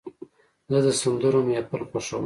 زه د سندرو محفل خوښوم.